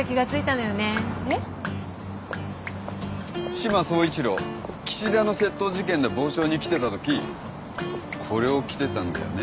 志摩総一郎岸田の窃盗事件で傍聴に来てたときこれを着てたんだよね。